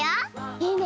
いいね。